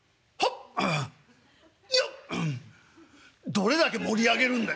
「どれだけ盛り上げるんだよ。